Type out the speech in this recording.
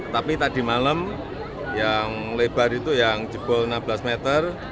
tapi tadi malam yang lebar itu yang jebol enam belas meter